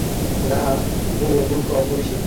সত্যি, ভালো দান মেরেছিস।